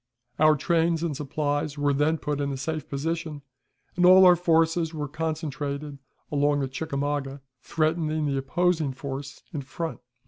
Our trains and supplies were then put in a safe position, and all our forces were concentrated along the Chickamauga, threatening the opposing force in front.